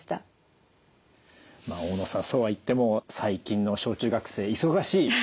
大野さんそうはいっても最近の小中学生忙しい。